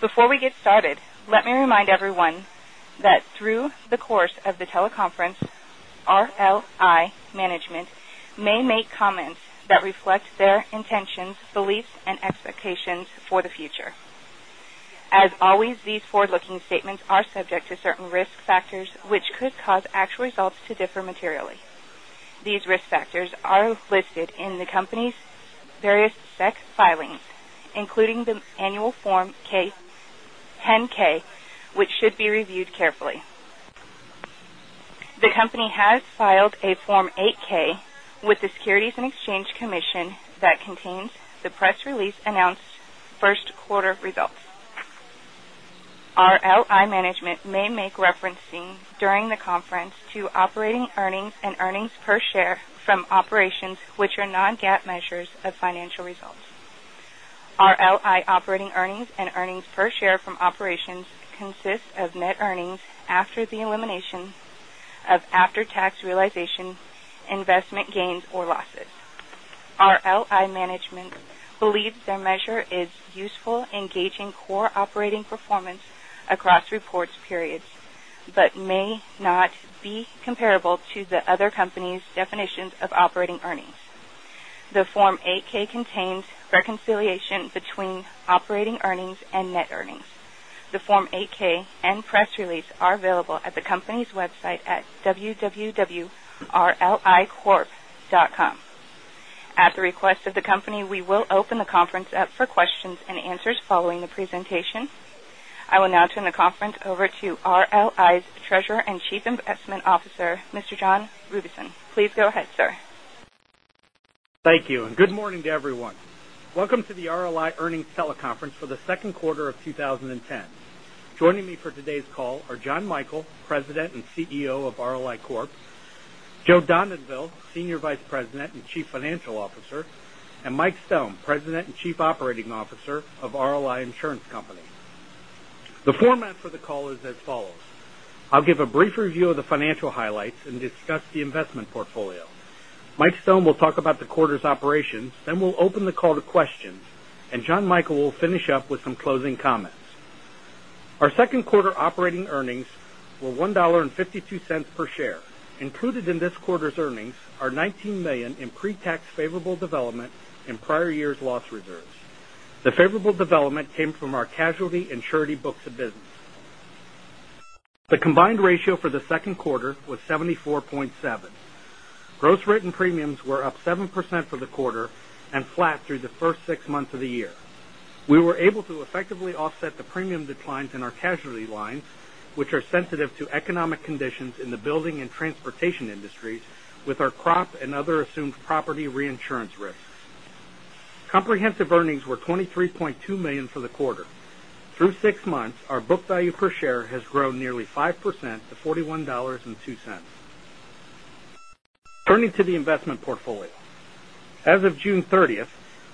Before we get started, let me remind everyone that through the course of the teleconference, RLI management may make comments that reflect their intentions, beliefs, and expectations for the future. As always, these forward-looking statements are subject to certain risk factors which could cause actual results to differ materially. These risk factors are listed in the company's various SEC filings, including the annual Form 10-K, which should be reviewed carefully. The company has filed a Form 8-K with the Securities and Exchange Commission that contains the press release announced first-quarter results. RLI management may make referencing during the conference to operating earnings and earnings per share from operations which are non-GAAP measures of financial results. RLI operating earnings and earnings per share from operations consist of net earnings after the elimination of after-tax realization, investment gains, or losses. RLI management believes their measure is useful in gauging core operating performance across reports periods but may not be comparable to the other companies' definitions of operating earnings. The Form 8-K contains reconciliation between operating earnings and net earnings. The Form 8-K and press release are available at the company's website at www.rlicorp.com. At the request of the company, we will open the conference up for questions and answers following the presentation. I will now turn the conference over to RLI's Treasurer and Chief Investment Officer, Mr. John Robison. Please go ahead, sir. Thank you. Good morning to everyone. Welcome to the RLI earnings teleconference for the second quarter of 2010. Joining me for today's call are Jon Michael, President and CEO of RLI Corp.; Joe Dondanville, Senior Vice President and Chief Financial Officer; and Mike Stone, President and Chief Operating Officer of RLI Insurance Company. The format for the call is as follows: I'll give a brief review of the financial highlights and discuss the investment portfolio. Mike Stone will talk about the quarter's operations. We'll open the call to questions. Jon Michael, will finish up with some closing comments. Our second quarter operating earnings were $1.52 per share. Included in this quarter's earnings are $19 million in pre-tax favorable development in prior years' loss reserves. The favorable development came from our casualty and surety books of business. The combined ratio for the second quarter was 74.7. Gross written premiums were up 7% for the quarter and flat through the first six months of the year. We were able to effectively offset the premium declines in our casualty lines, which are sensitive to economic conditions in the building and transportation industries, with our crop and other assumed property reinsurance risks. Comprehensive earnings were $23.2 million for the quarter. Through six months, our book value per share has grown nearly 5% to $41.02. Turning to the investment portfolio. As of June 30th,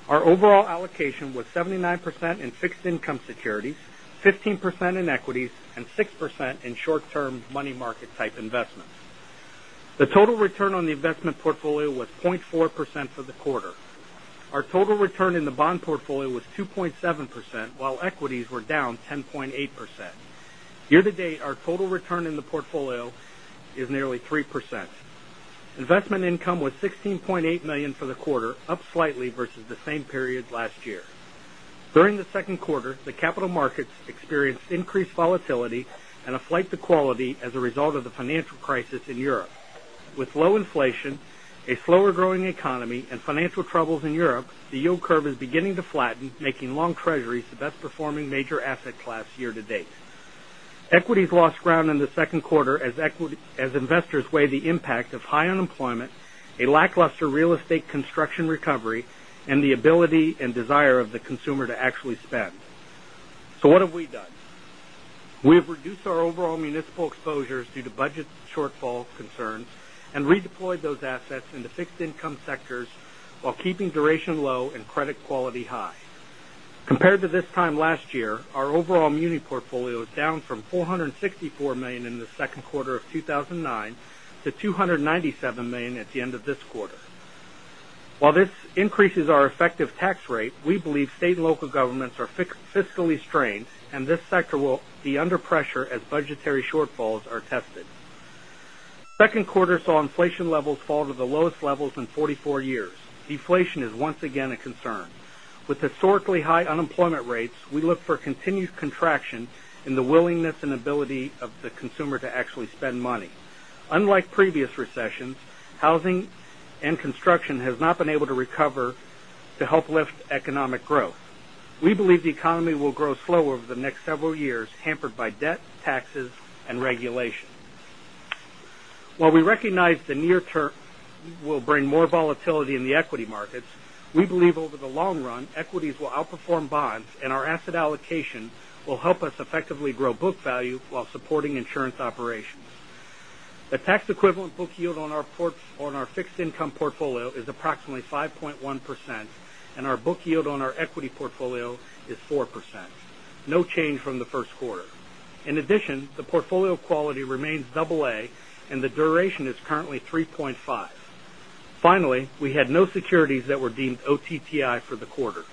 our overall allocation was 79% in fixed income securities, 15% in equities, and 6% in short-term money market-type investments. The total return on the investment portfolio was 0.4% for the quarter. Our total return in the bond portfolio was 2.7%, while equities were down 10.8%. Year-to-date, our total return in the portfolio is nearly 3%. Investment income was $16.8 million for the quarter, up slightly versus the same period last year. During the second quarter, the capital markets experienced increased volatility and a flight to quality as a result of the financial crisis in Europe. With low inflation, a slower-growing economy, and financial troubles in Europe, the yield curve is beginning to flatten, making long treasuries the best-performing major asset class year-to-date. Equities lost ground in the second quarter as investors weigh the impact of high unemployment, a lackluster real estate construction recovery, and the ability and desire of the consumer to actually spend. What have we done? We have reduced our overall municipal exposures due to budget shortfall concerns and redeployed those assets into fixed income sectors while keeping duration low and credit quality high. Compared to this time last year, our overall muni portfolio is down from $464 million in the second quarter of 2009 to $297 million at the end of this quarter. While this increases our effective tax rate, we believe state and local governments are fiscally strained, and this sector will be under pressure as budgetary shortfalls are tested. Second quarter saw inflation levels fall to the lowest levels in 44 years. Deflation is once again a concern. With historically high unemployment rates, we look for continued contraction in the willingness and ability of the consumer to actually spend money. Unlike previous recessions, housing and construction has not been able to recover to help lift economic growth. We believe the economy will grow slow over the next several years, hampered by debt, taxes, and regulation. While we recognize the near term will bring more volatility in the equity markets, we believe over the long run, equities will outperform bonds, and our asset allocation will help us effectively grow book value while supporting insurance operations. The tax equivalent book yield on our fixed income portfolio is approximately 5.1%, and our book yield on our equity portfolio is 4%, no change from the first quarter. In addition, the portfolio quality remains double A, and the duration is currently 3.5. Finally, we had no securities that were deemed OTTI for the quarter.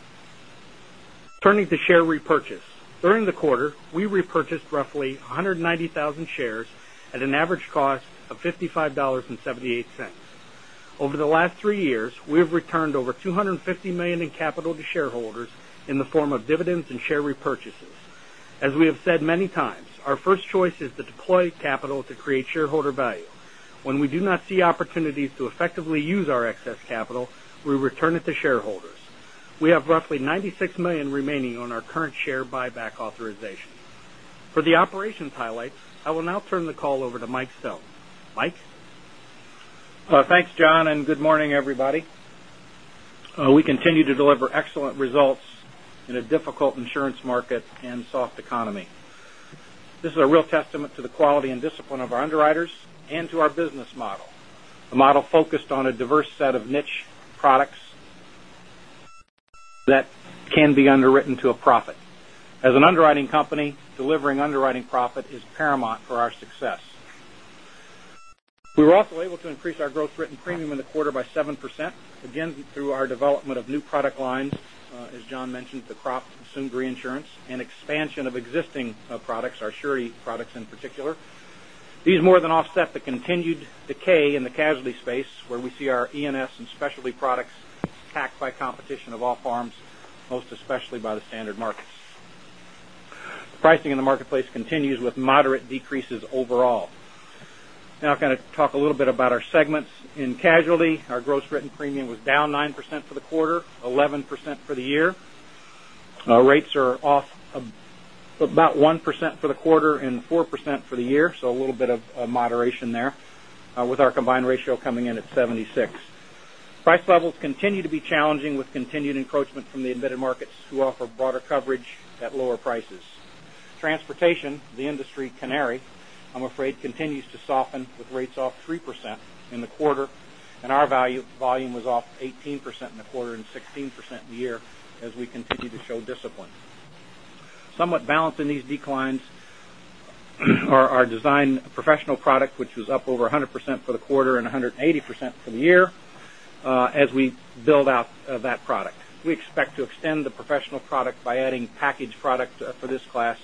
Turning to share repurchase. During the quarter, we repurchased roughly 190,000 shares at an average cost of $55.78. Over the last three years, we have returned over $250 million in capital to shareholders in the form of dividends and share repurchases. As we have said many times, our first choice is to deploy capital to create shareholder value. When we do not see opportunities to effectively use our excess capital, we return it to shareholders. We have roughly $96 million remaining on our current share buyback authorization. For the operations highlights, I will now turn the call over to Mike Stone. Mike? Thanks, John, and good morning, everybody. We continue to deliver excellent results in a difficult insurance market and soft economy. This is a real testament to the quality and discipline of our underwriters and to our business model, a model focused on a diverse set of niche products that can be underwritten to a profit. As an underwriting company, delivering underwriting profit is paramount for our success. We were also able to increase our gross written premium in the quarter by 7%, again, through our development of new product lines, as John mentioned, the ProAg and soon reinsurance and expansion of existing products, our surety products in particular. These more than offset the continued decay in the casualty space, where we see our E&S and specialty products attacked by competition of all forms, most especially by the standard markets. Pricing in the marketplace continues with moderate decreases overall. I'm going to talk a little bit about our segments. In casualty, our gross written premium was down 9% for the quarter, 11% for the year. Our rates are off about 1% for the quarter and 4% for the year, a little bit of moderation there, with our combined ratio coming in at 76%. Price levels continue to be challenging with continued encroachment from the embedded markets who offer broader coverage at lower prices. Transportation, the industry canary, I'm afraid, continues to soften with rates off 3% in the quarter, and our volume was off 18% in the quarter and 16% in the year as we continue to show discipline. Somewhat balancing these declines are our design professional product, which was up over 100% for the quarter and 180% for the year as we build out that product. We expect to extend the professional product by adding package product for this class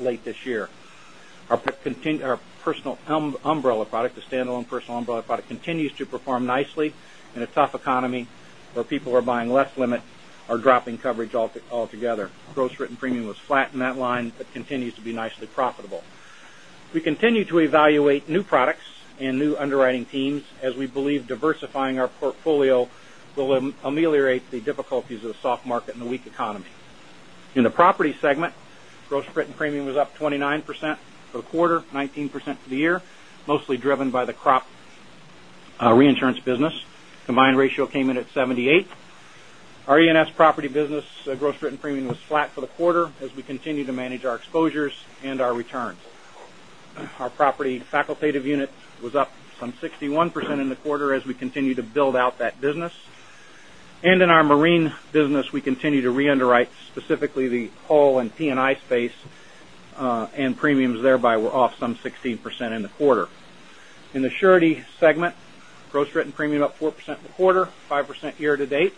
late this year. Our personal umbrella product, the standalone personal umbrella product, continues to perform nicely in a tough economy where people are buying less limit or dropping coverage altogether. Gross written premium was flat in that line but continues to be nicely profitable. We continue to evaluate new products and new underwriting teams as we believe diversifying our portfolio will ameliorate the difficulties of the soft market and the weak economy. In the property segment, gross written premium was up 29% for the quarter, 19% for the year, mostly driven by the ProAg reinsurance business. Combined ratio came in at 78%. Our E&S property business gross written premium was flat for the quarter as we continue to manage our exposures and our returns. Our property facultative unit was up some 61% in the quarter as we continue to build out that business. In our marine business, we continue to re-underwrite specifically the hull and P&I space, and premiums thereby were off some 16% in the quarter. In the surety segment, gross written premium up 4% in the quarter, 5% year to date.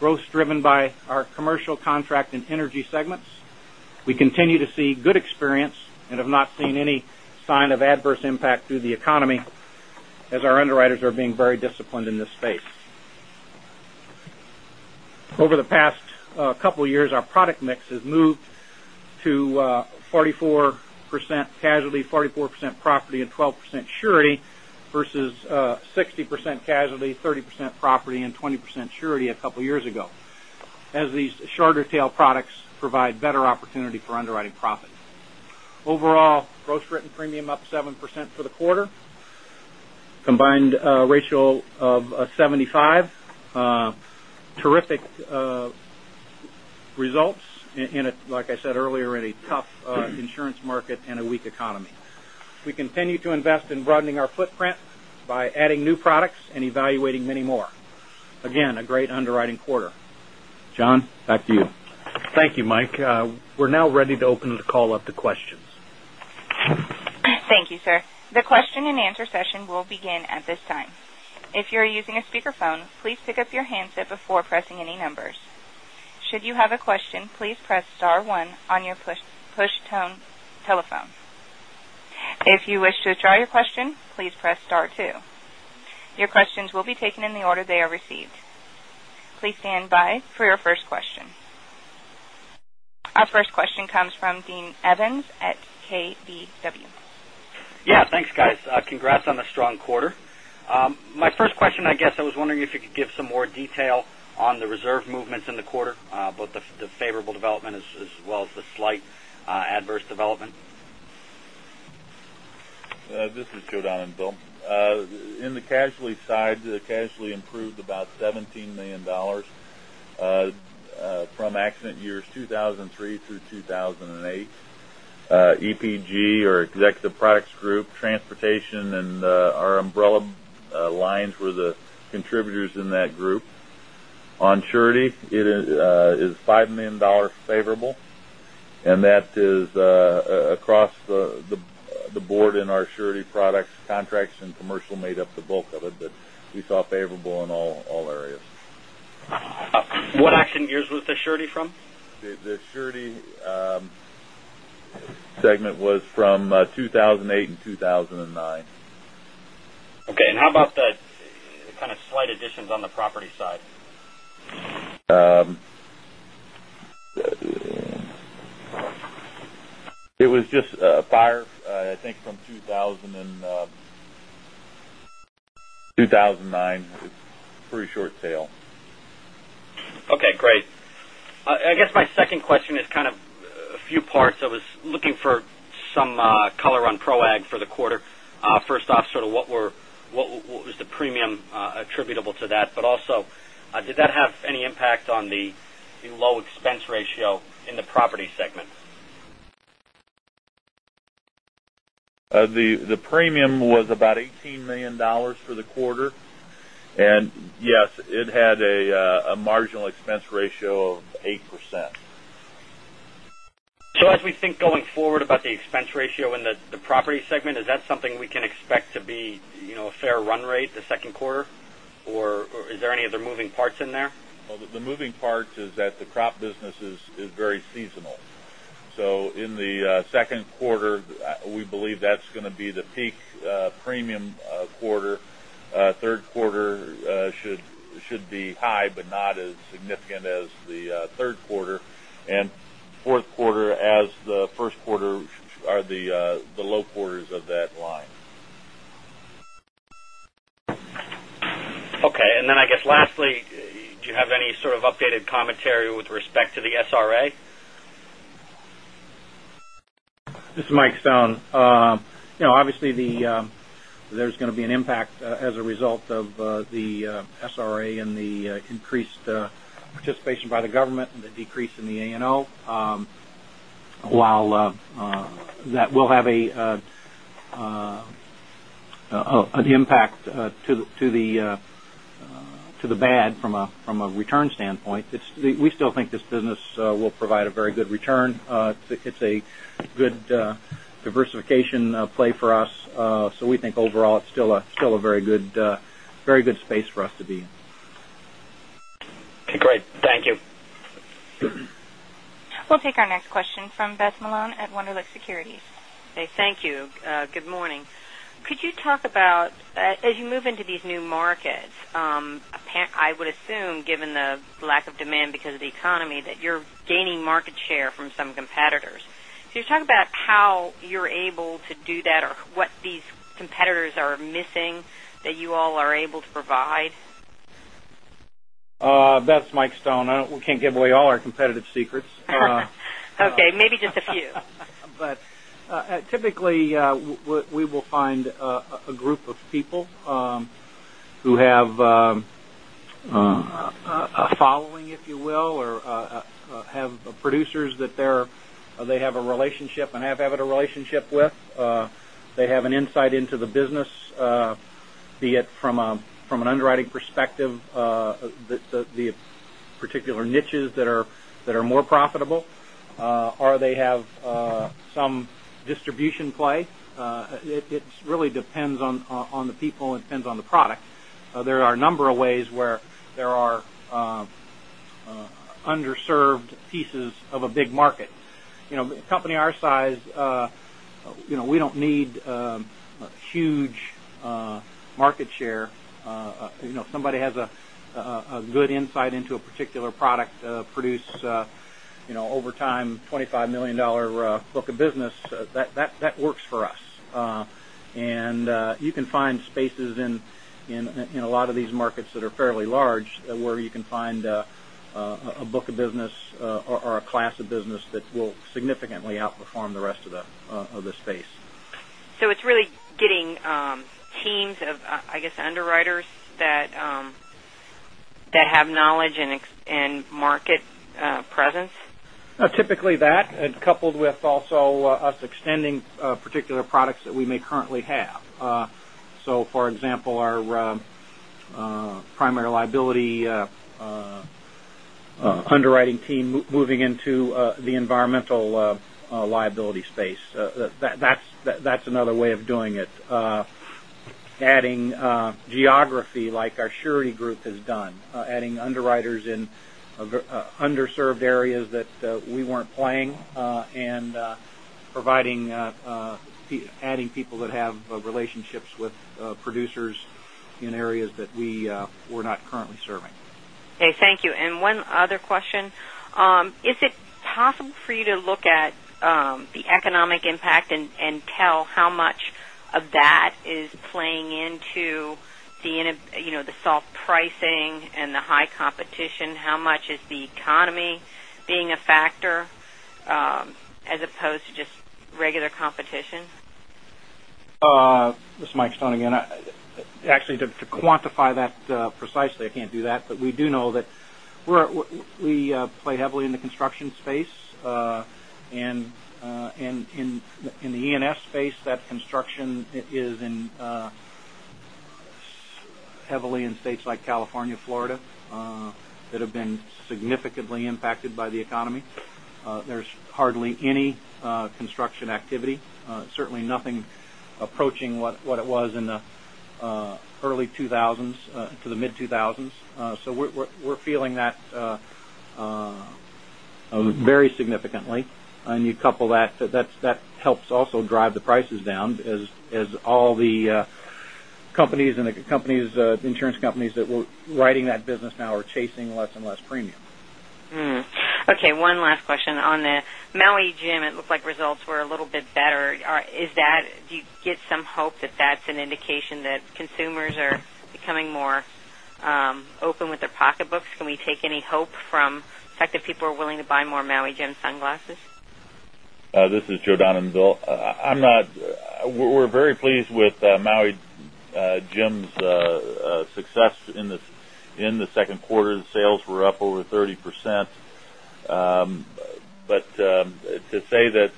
Growth driven by our commercial contract and energy segments. We continue to see good experience and have not seen any sign of adverse impact through the economy as our underwriters are being very disciplined in this space. Over the past couple of years, our product mix has moved to 44% casualty, 44% property, and 12% surety versus 60% casualty, 30% property, and 20% surety a couple of years ago, as these shorter tail products provide better opportunity for underwriting profit. Overall, gross written premium up 7% for the quarter, combined ratio of 75%. Terrific results in, like I said earlier, in a tough insurance market and a weak economy. We continue to invest in broadening our footprint by adding new products and evaluating many more. Again, a great underwriting quarter. John, back to you. Thank you, Mike. We're now ready to open the call up to questions. Thank you, sir. The question and answer session will begin at this time. If you're using a speakerphone, please pick up your handset before pressing any numbers. Should you have a question, please press star one on your touch-tone telephone. If you wish to withdraw your question, please press star two. Your questions will be taken in the order they are received. Please stand by for your first question. Our first question comes from Dean Evans at KBW. Yeah, thanks, guys. Congrats on the strong quarter. My first question, I guess I was wondering if you could give some more detail on the reserve movements in the quarter, both the favorable development as well as the slight adverse development. This is Joe Dondanville. In the casualty side, casualty improved about $17 million from accident years 2003 through 2008. EPG, or Executive Products Group, transportation, and our umbrella lines were the contributors in that group. On surety, it is $5 million favorable, and that is across the board in our surety products. Contracts and commercial made up the bulk of it, but we saw favorable in all areas. What accident years was the surety from? The surety segment was from 2008 and 2009. Okay, how about the kind of slight additions on the property side? It was just prior, I think, from 2009. It's pretty short tail. Okay, great. I guess my second question is kind of a few parts. I was looking for some color on ProAg for the quarter. First off, sort of what was the premium attributable to that? Also, did that have any impact on the low expense ratio in the property segment? The premium was about $18 million for the quarter. Yes, it had a marginal expense ratio of 8%. As we think going forward about the expense ratio in the property segment, is that something we can expect to be a fair run rate the second quarter? Is there any other moving parts in there? Well, the moving part is that the crop business is very seasonal. In the second quarter, we believe that's going to be the peak premium quarter. Third quarter should be high but not as significant as the third quarter, and fourth quarter as the first quarter are the low quarters of that line. Okay, I guess lastly, do you have any sort of updated commentary with respect to the SRA? This is Mike Stone. Obviously, there's going to be an impact as a result of the SRA and the increased participation by the government and the decrease in the A&O. While that will have the impact to the bad from a return standpoint, we still think this business will provide a very good return. It's a good diversification play for us. We think overall it's still a very good space for us to be in. Okay, great. Thank you. We'll take our next question from Beth Malone at Wunderlich Securities. Okay, thank you. Good morning. Could you talk about, as you move into these new markets, I would assume given the lack of demand because of the economy, that you're gaining market share from some competitors. Could you talk about how you're able to do that or what these competitors are missing that you all are able to provide? Beth, Mike Stone. We can't give away all our competitive secrets. Okay, maybe just a few. Typically, we will find a group of people who have a following, if you will, or have producers that they have a relationship and have had a relationship with. They have an insight into the business, be it from an underwriting perspective, the particular niches that are more profitable, or they have some distribution play. It really depends on the people and depends on the product. There are a number of ways where there are underserved pieces of a big market. A company our size, we don't need a huge market share. If somebody has a good insight into a particular product, produce over time $25 million book of business, that works for us. You can find spaces in a lot of these markets that are fairly large, where you can find a book of business or a class of business that will significantly outperform the rest of the space. It's really getting teams of, I guess, underwriters that have knowledge and market presence? Typically that, coupled with also us extending particular products that we may currently have. For example, our primary liability underwriting team moving into the environmental liability space. That's another way of doing it. Adding geography like our surety group has done. Adding underwriters in underserved areas that we weren't playing, and adding people that have relationships with producers in areas that we were not currently serving. Okay, thank you. One other question. Is it possible for you to look at the economic impact and tell how much of that is playing into the soft pricing and the high competition? How much is the economy being a factor as opposed to just regular competition? This is Mike Stone again. Actually, to quantify that precisely, I can't do that. We do know that we play heavily in the construction space. In the E&S space, that construction is in Heavily in states like California, Florida, that have been significantly impacted by the economy. There's hardly any construction activity. Certainly nothing approaching what it was in the early 2000s to the mid-2000s. We're feeling that very significantly. You couple that helps also drive the prices down, as all the insurance companies that were riding that business now are chasing less and less premium. Okay, one last question. On the Maui Jim, it looked like results were a little bit better. Do you get some hope that that's an indication that consumers are becoming more open with their pocketbooks? Can we take any hope from the fact that people are willing to buy more Maui Jim sunglasses? This is Joe Dondanville. We're very pleased with Maui Jim's success in the second quarter. The sales were up over 30%. To say that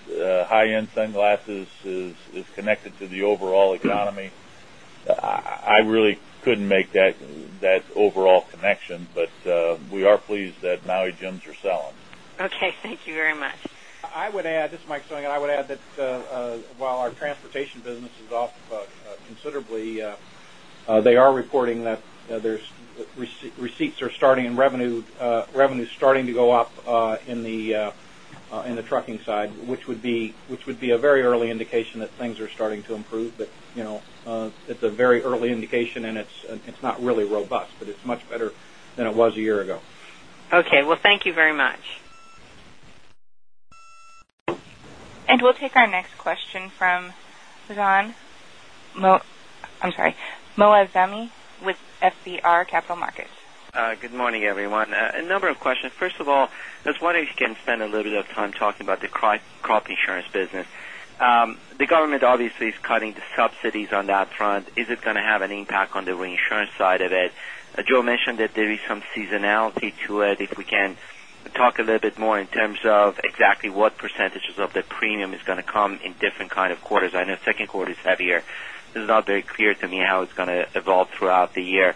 high-end sunglasses is connected to the overall economy, I really couldn't make that overall connection. We are pleased that Maui Jims are selling. Okay. Thank you very much. This is Mike Stone. I would add that while our transportation business is off considerably, they are reporting that receipts are starting, and revenue's starting to go up in the trucking side, which would be a very early indication that things are starting to improve. It's a very early indication, and it's not really robust, but it's much better than it was a year ago. Okay. Well, thank you very much. We'll take our next question from Bijan Moazami with FBR Capital Markets. Good morning, everyone. A number of questions. First of all, I was wondering if you can spend a little bit of time talking about the crop insurance business. The government obviously is cutting the subsidies on that front. Is it going to have an impact on the reinsurance side of it? Joe mentioned that there is some seasonality to it. If we can talk a little bit more in terms of exactly what percentages of the premium is going to come in different kind of quarters. I know second quarter is heavier. This is not very clear to me how it's going to evolve throughout the year.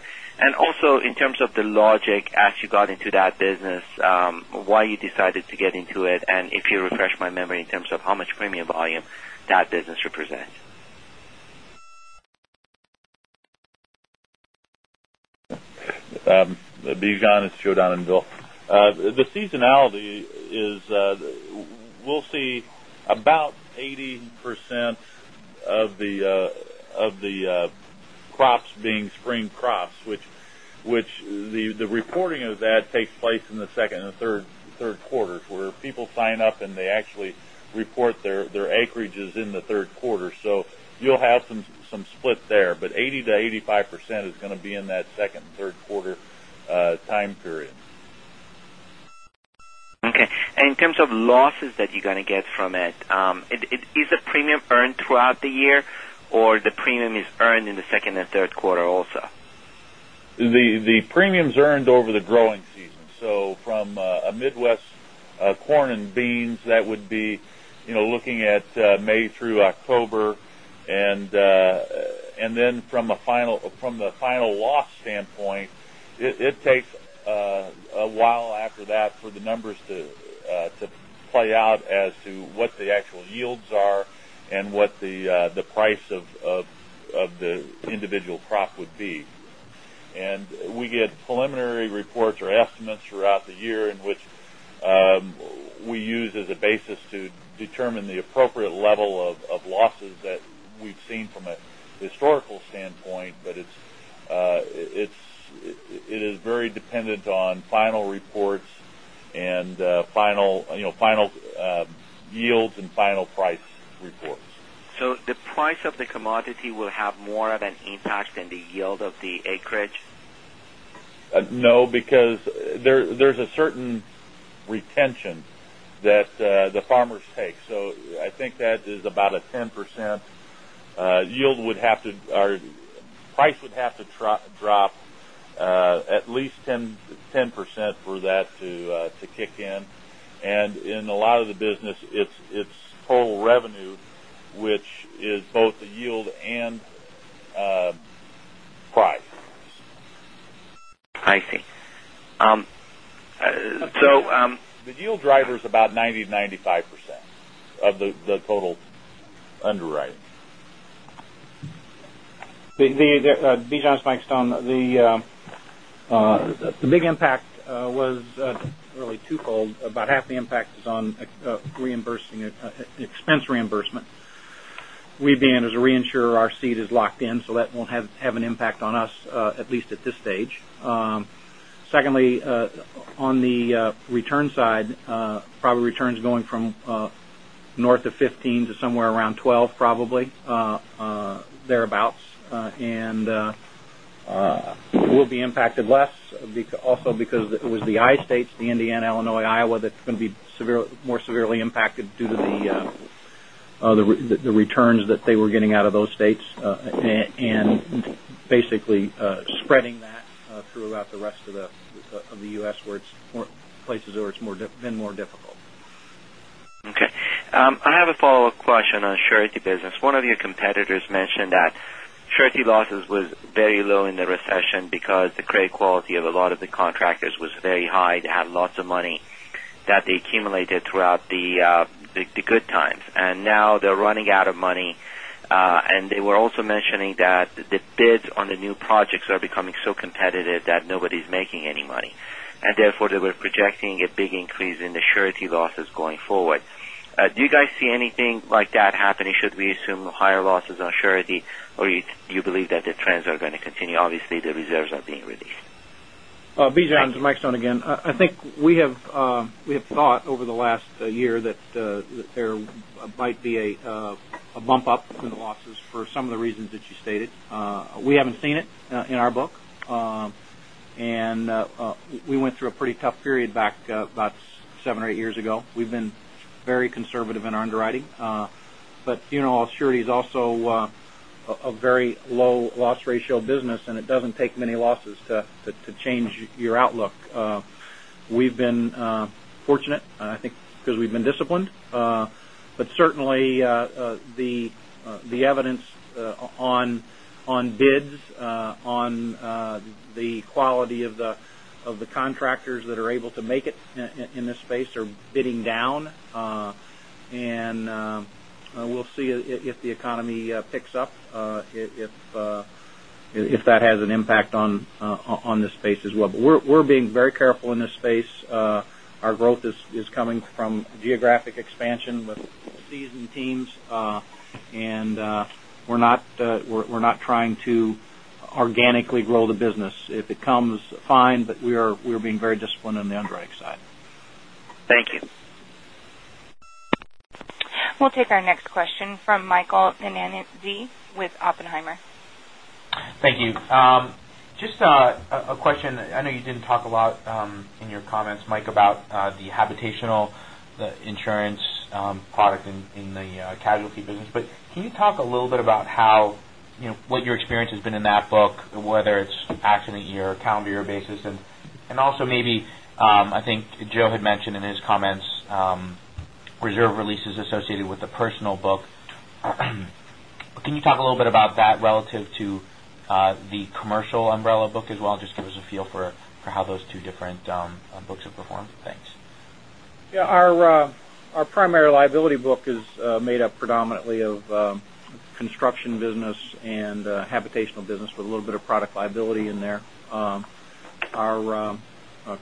Also, in terms of the logic as you got into that business, why you decided to get into it, and if you refresh my memory in terms of how much premium volume that business represents. Bijan, it's Joe Dondanville. The seasonality is, we'll see about 80% of the crops being spring crops, which the reporting of that takes place in the second and the third quarters, where people sign up, and they actually report their acreages in the third quarter. You'll have some split there, but 80%-85% is going to be in that second and third quarter time period. Okay. In terms of losses that you're going to get from it, is the premium earned throughout the year, or the premium is earned in the second and third quarter also? The premium's earned over the growing season. From a Midwest corn and beans, that would be looking at May through October. From the final loss standpoint, it takes a while after that for the numbers to play out as to what the actual yields are and what the price of the individual crop would be. We get preliminary reports or estimates throughout the year, in which we use as a basis to determine the appropriate level of losses that we've seen from a historical standpoint. It is very dependent on final reports and final yields and final price reports. The price of the commodity will have more of an impact than the yield of the acreage? No, because there's a certain retention that the farmers take. I think that is about a 10%. Price would have to drop at least 10% for that to kick in. In a lot of the business, it's total revenue, which is both the yield and price. I see. The yield driver is about 90%-95% of the total underwriting. Bijan, it's Mike Stone. The big impact was really twofold. About half the impact is on expense reimbursement. We being, as a reinsurer, our ceded is locked in, so that won't have an impact on us, at least at this stage. Secondly, on the return side, probably returns going from north of 15 to somewhere around 12, probably, thereabout. We'll be impacted less also because it was the I states, the Indiana, Illinois, Iowa, that's going to be more severely impacted due to the returns that they were getting out of those states, and basically spreading that throughout the rest of the U.S., places where it's been more difficult. I have a follow-up question on surety business. One of your competitors mentioned that surety losses was very low in the recession because the credit quality of a lot of the contractors was very high. They had lots of money that they accumulated throughout the good times, and now they're running out of money. They were also mentioning that the bids on the new projects are becoming so competitive that nobody's making any money. Therefore, they were projecting a big increase in the surety losses going forward. Do you guys see anything like that happening? Should we assume higher losses on surety, or you believe that the trends are going to continue? Obviously, the reserves are being released. Page 8 Jon on the line. I think we have thought over the last year that there might be a bump up in the losses for some of the reasons that you stated. We haven't seen it in our book. We went through a pretty tough period back about seven or eight years ago. We've been very conservative in our underwriting. Surety is also a very low loss ratio business, and it doesn't take many losses to change your outlook. We've been fortunate, I think, because we've been disciplined. Certainly, the evidence on bids, on the quality of the contractors that are able to make it in this space are bidding down. We'll see if the economy picks up, if that has an impact on this space as well. We're being very careful in this space. Our growth is coming from geographic expansion with seasoned teams. We're not trying to organically grow the business. If it comes, fine, but we are being very disciplined on the underwriting side. Thank you. We'll take our next question from Michael Nanazi with Oppenheimer. Thank you. Just a question. I know you didn't talk a lot in your comments, Mike, about the habitational insurance product in the casualty business. Can you talk a little bit about what your experience has been in that book, whether it's accident year or calendar year basis? Also maybe, I think Joe had mentioned in his comments, reserve releases associated with the personal book. Can you talk a little bit about that relative to the commercial umbrella book as well, just give us a feel for how those two different books have performed? Thanks. Yeah. Our primary liability book is made up predominantly of construction business and habitational business with a little bit of product liability in there. Our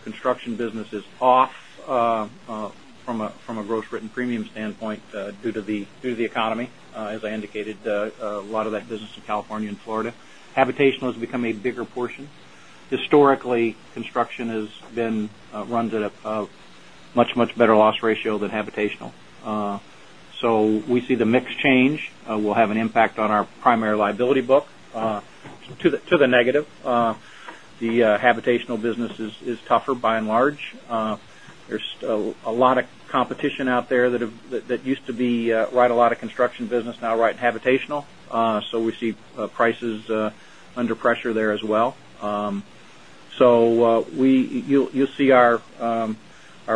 construction business is off from a gross written premium standpoint due to the economy. As I indicated, a lot of that business in California and Florida. Habitational has become a bigger portion. Historically, construction runs at a much better loss ratio than habitational. We see the mix change will have an impact on our primary liability book to the negative. The habitational business is tougher by and large. There's a lot of competition out there that used to be write a lot of construction business, now writing habitational. We see prices under pressure there as well. You'll see our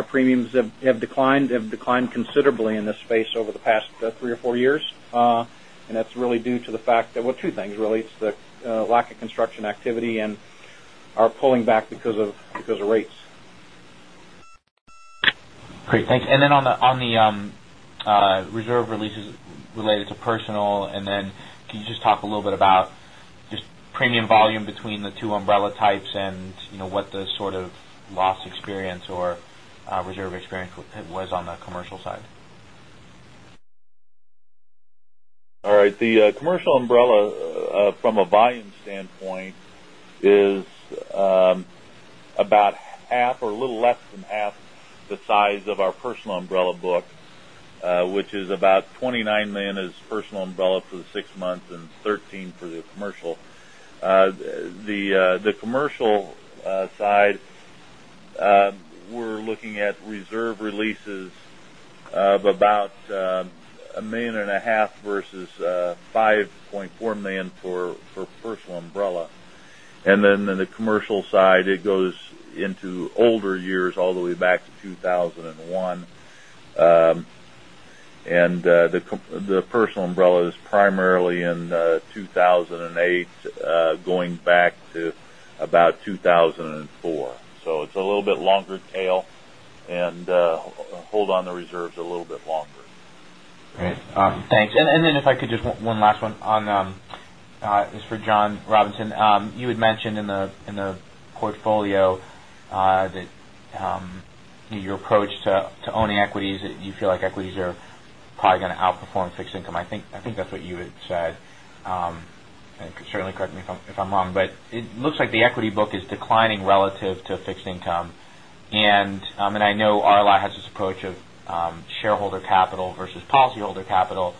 premiums have declined considerably in this space over the past 3 or 4 years. That's really due to the fact that, well, two things really. It's the lack of construction activity and our pulling back because of rates. Great, thanks. On the reserve releases related to personal, can you just talk a little bit about just premium volume between the 2 umbrella types and what the sort of loss experience or reserve experience was on the commercial side? All right. The commercial umbrella, from a volume standpoint, is about half or a little less than half the size of our personal umbrella book, which is about $29 million is personal umbrella for the six months and $13 million for the commercial. The commercial side, we're looking at reserve releases of about a million and a half versus $5.4 million for personal umbrella. In the commercial side, it goes into older years, all the way back to 2001. The personal umbrella is primarily in 2008, going back to about 2004. It's a little bit longer tail, and hold on the reserves a little bit longer. Great. Thanks. If I could just, one last one on, this is for John Robison. You had mentioned in the portfolio that your approach to owning equities, you feel like equities are probably going to outperform fixed income. I think that's what you had said. Certainly correct me if I'm wrong, but it looks like the equity book is declining relative to fixed income. I know RLI has this approach of shareholder capital versus policyholder capital.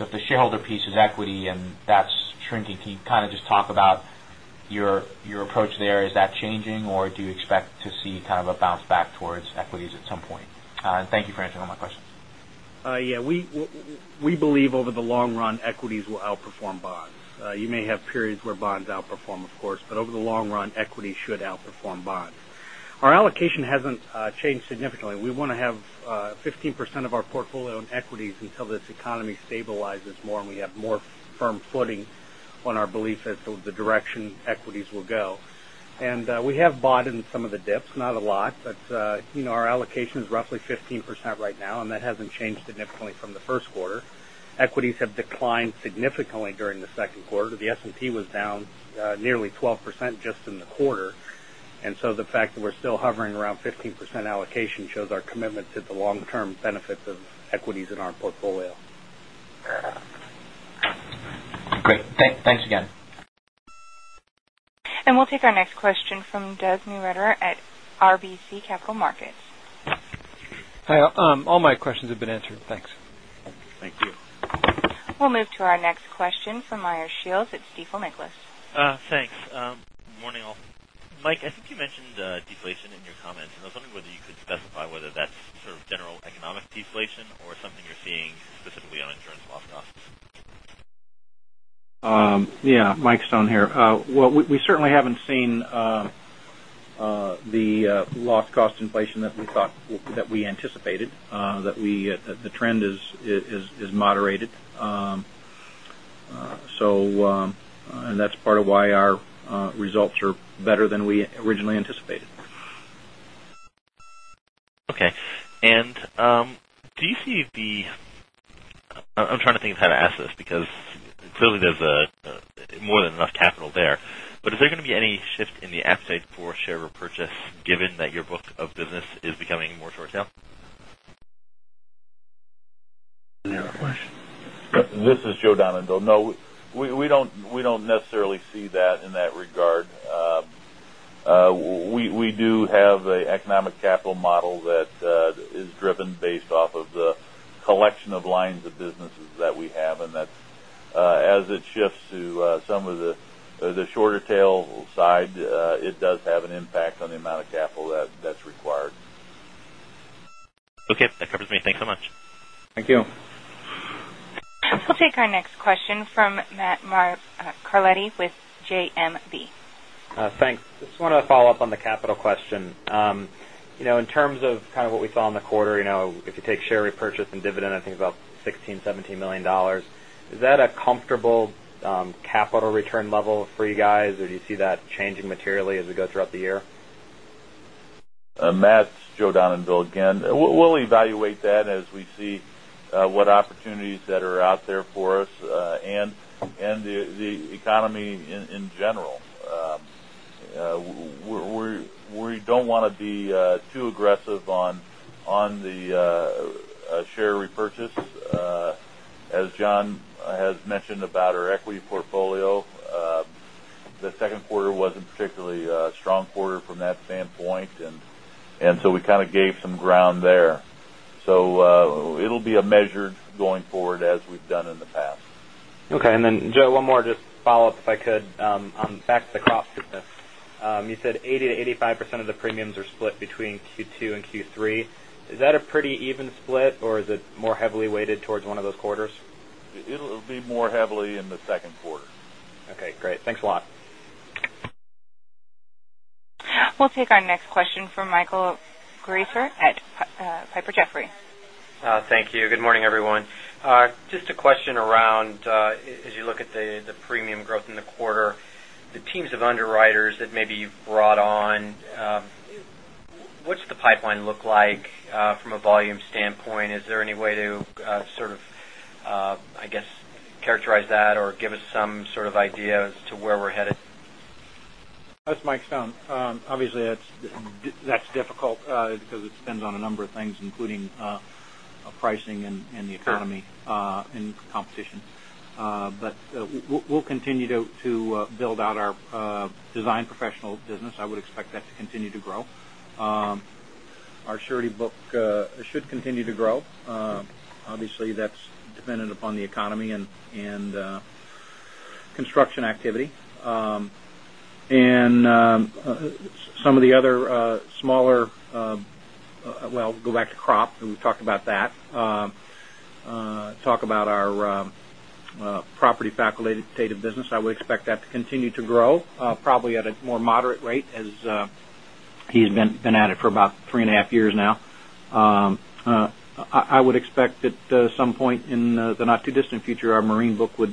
If the shareholder piece is equity and that's shrinking, can you kind of just talk about your approach there? Is that changing, or do you expect to see kind of a bounce back towards equities at some point? Thank you for answering all my questions. Yeah. We believe over the long run, equities will outperform bonds. You may have periods where bonds outperform, of course, but over the long run, equities should outperform bonds. Our allocation hasn't changed significantly. We want to have 15% of our portfolio in equities until this economy stabilizes more and we have more firm footing on our belief as to the direction equities will go. We have bought in some of the dips, not a lot, but our allocation is roughly 15% right now, and that hasn't changed significantly from the first quarter. Equities have declined significantly during the second quarter. The S&P was down nearly 12% just in the quarter, so the fact that we're still hovering around 15% allocation shows our commitment to the long-term benefits of equities in our portfolio. Great. Thanks again. We'll take our next question from Des Meurer at RBC Capital Markets. Hi. All my questions have been answered. Thanks. Thank you. We'll move to our next question from Meyer Shields at Stifel Nicolaus. Thanks. Morning, all. Mike, I think you mentioned deflation in your comments. I was wondering whether you could specify whether that's sort of general economic deflation or something you're seeing specifically on insurance loss costs. Yeah. Mike Stone here. Well, we certainly haven't seen the loss cost inflation that we anticipated, that the trend has moderated. That's part of why our results are better than we originally anticipated. Okay. I'm trying to think of how to ask this because clearly there's more than enough capital there. Is there going to be any shift in the appetite for share repurchase, given that your book of business is becoming more short tail? You have a question? This is Joe Dondanville. We don't necessarily see that in that regard. We do have an economic capital model that is driven based off of the collection of lines of businesses that we have, and as it shifts to some of the shorter tail side, it does have an impact on the amount of capital that's required. Okay. That covers me. Thanks so much. Thank you. We'll take our next question from Matt Carletti with JMP. Thanks. Just wanted to follow up on the capital question. In terms of kind of what we saw in the quarter, if you take share repurchase and dividend, I think it's about $16 million, $17 million. Is that a comfortable capital return level for you guys, or do you see that changing materially as we go throughout the year? Matt, Joe Dondanville again. We'll evaluate that as we see what opportunities that are out there for us, and the economy in general. We don't want to be too aggressive on the share repurchase. As John has mentioned about our equity portfolio, the second quarter wasn't particularly a strong quarter from that standpoint, and so we kind of gave some ground there. It'll be a measure going forward as we've done in the past. Okay. Joe, one more just follow-up, if I could, on back to the crop business. You said 80%-85% of the premiums are split between Q2 and Q3. Is that a pretty even split, or is it more heavily weighted towards one of those quarters? It'll be more heavily in the second quarter. Okay, great. Thanks a lot. We'll take our next question from Michael Grasher at Piper Jaffray. Thank you. Good morning, everyone. Just a question around, as you look at the premium growth in the quarter, the teams of underwriters that maybe you've brought on, what's the pipeline look like from a volume standpoint? Is there any way to sort of, I guess, characterize that or give us some sort of idea as to where we're headed? That's Mike Stone. Obviously, that's difficult because it depends on a number of things, including pricing and the economy and competition. We'll continue to build out our design professional business. I would expect that to continue to grow. Our surety book should continue to grow. Obviously, that's dependent upon the economy and construction activity. Well, go back to crop, and we talked about that. Talk about our property facultative business, I would expect that to continue to grow, probably at a more moderate rate as he's been at it for about three and a half years now. I would expect that at some point in the not too distant future, our marine book would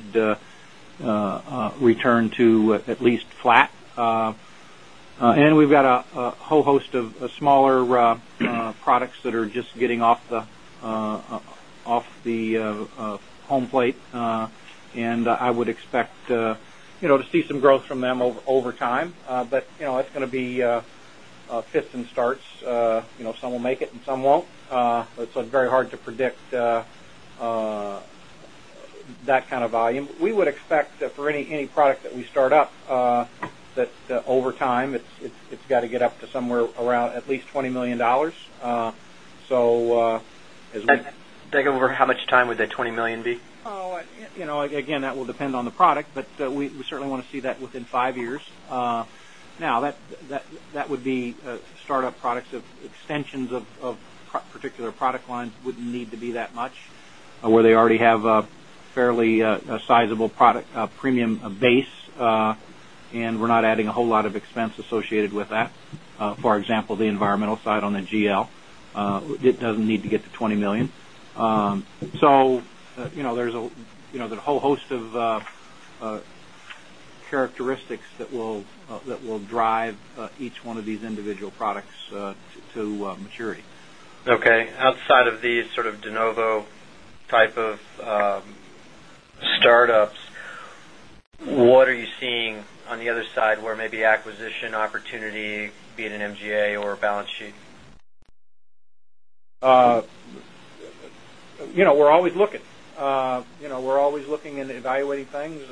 return to at least flat. We've got a whole host of smaller products that are just getting off the home plate, and I would expect to see some growth from them over time. It's going to be fits and starts. Some will make it and some won't. It's very hard to predict that kind of volume. We would expect for any product that we start up, that over time, it's got to get up to somewhere around at least $20 million. Over how much time would that $20 million be? Again, that will depend on the product, but we certainly want to see that within five years. Now, that would be startup products of extensions of particular product lines wouldn't need to be that much. Where they already have a fairly sizable product premium base, and we're not adding a whole lot of expense associated with that. For example, the environmental side on the GL. It doesn't need to get to $20 million. There's a whole host of characteristics that will drive each one of these individual products to maturity. Okay. Outside of these sort of de novo type of startups, what are you seeing on the other side, where maybe acquisition opportunity, be it an MGA or a balance sheet? We're always looking. We're always looking and evaluating things. Is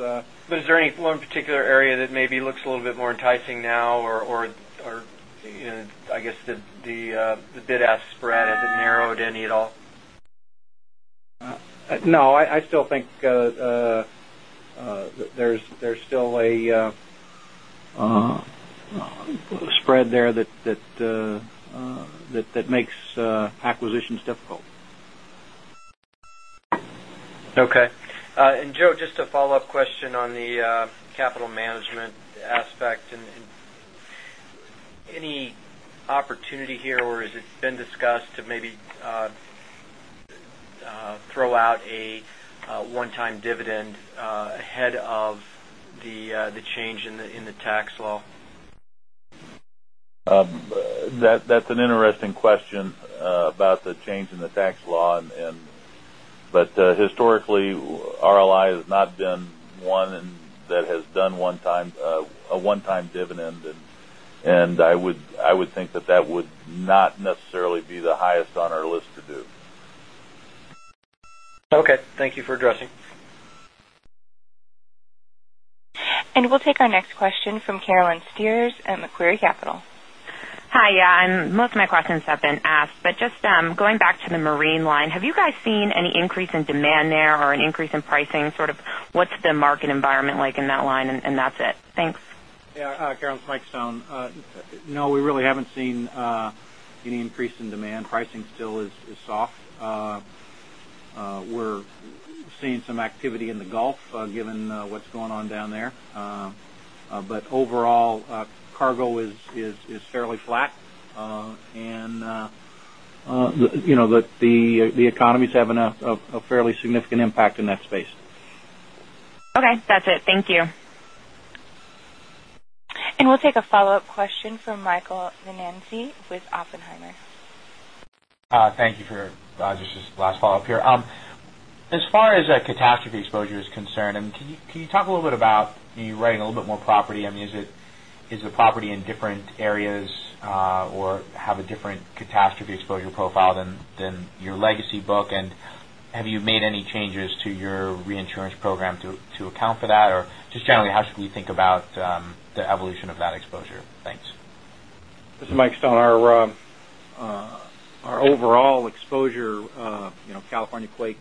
there any one particular area that maybe looks a little bit more enticing now or, I guess, the bid-ask spread, has it narrowed any at all? No. I still think there's still a spread there that makes acquisitions difficult. Okay. Joe, just a follow-up question on the capital management aspect. Any opportunity here, or has it been discussed to maybe throw out a one-time dividend ahead of the change in the tax law? That's an interesting question about the change in the tax law. Historically, RLI has not been one that has done a one-time dividend, and I would think that that would not necessarily be the highest on our list to do. Okay. Thank you for addressing. We'll take our next question from Carolin Stiers at Macquarie Capital. Hi. Most of my questions have been asked, just going back to the marine line, have you guys seen any increase in demand there or an increase in pricing? Sort of, what's the market environment like in that line? That's it. Thanks. Yeah. Carolin, Mike Stone. No, we really haven't seen any increase in demand. Pricing still is soft. We're seeing some activity in the Gulf, given what's going on down there. Overall, cargo is fairly flat. The economy's having a fairly significant impact in that space. Okay. That's it. Thank you. We'll take a follow-up question from Michael Nannizzi with Oppenheimer. Thank you. This is just last follow-up here. As far as catastrophe exposure is concerned, can you talk a little bit about you writing a little bit more property? Is the property in different areas or have a different catastrophe exposure profile than your legacy book? Have you made any changes to your reinsurance program to account for that? Just generally, how should we think about the evolution of that exposure? Thanks. This is Mike Stone. Our overall exposure, California quake,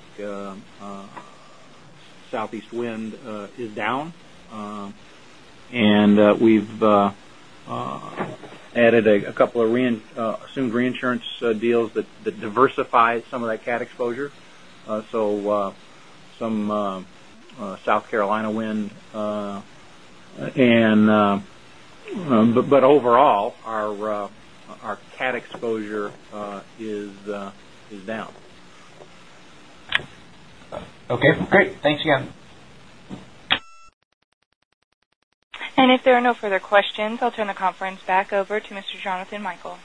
Southeast wind, is down. We've added 2 assumed reinsurance deals that diversify some of that cat exposure. Some South Carolina wind. Overall, our cat exposure is down. Okay, great. Thanks again. If there are no further questions, I'll turn the conference back over to Mr. Jonathan Michael.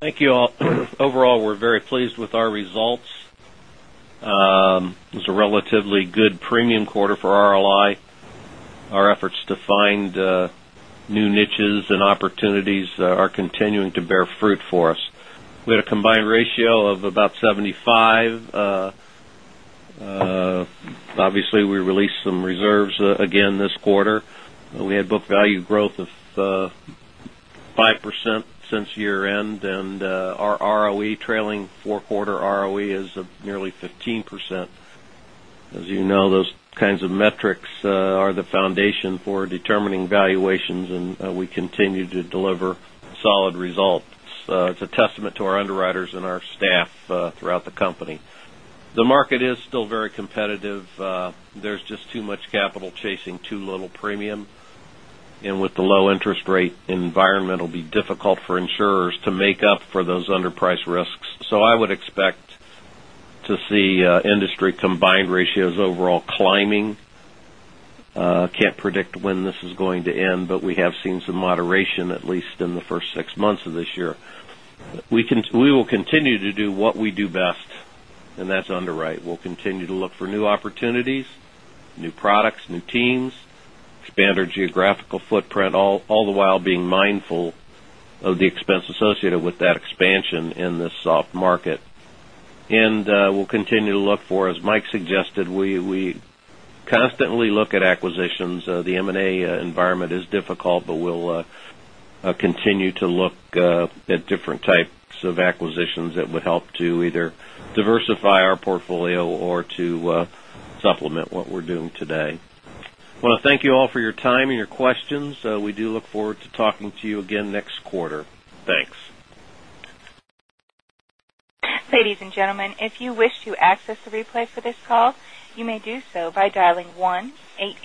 Thank you, all. Overall, we're very pleased with our results. It was a relatively good premium quarter for RLI. Our efforts to find new niches and opportunities are continuing to bear fruit for us. We had a combined ratio of about 75. Obviously, we released some reserves again this quarter. We had book value growth of 5% since year-end, and our ROE, trailing 4-quarter ROE, is nearly 15%. As you know, those kinds of metrics are the foundation for determining valuations, and we continue to deliver solid results. It's a testament to our underwriters and our staff throughout the company. The market is still very competitive. There's just too much capital chasing too little premium. With the low interest rate, environment will be difficult for insurers to make up for those underpriced risks. I would expect to see industry combined ratios overall climbing. Can't predict when this is going to end, we have seen some moderation, at least in the first six months of this year. We will continue to do what we do best, that's underwrite. We'll continue to look for new opportunities, new products, new teams, expand our geographical footprint, all the while being mindful of the expense associated with that expansion in this soft market. We'll continue to look for, as Mike suggested, we constantly look at acquisitions. The M&A environment is difficult, we'll continue to look at different types of acquisitions that would help to either diversify our portfolio or to supplement what we're doing today. Well, thank you all for your time and your questions. We do look forward to talking to you again next quarter. Thanks. Ladies and gentlemen, if you wish to access the replay for this call, you may do so by dialing 1-888